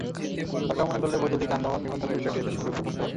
সরকার মনে করলে বৈদ্যুতিক যানবাহন নিবন্ধনের বিষয়টি এতে সংযুক্ত করতে পারে।